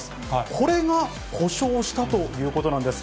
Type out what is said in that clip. これが故障したということなんです。